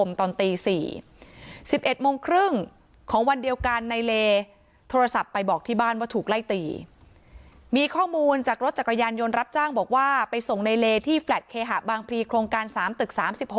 ๑๑โมงครึ่งของวันเดียวกันในเลทัวรสับไปบอกที่บ้านว่าถูกไล่ตีมีข้อมูลจากรถจักรยานยนต์รับจ้างบอกว่าไปส่งในเลที่แฟล็ดเคหะบางพีโครงการ๓ตึก๓๖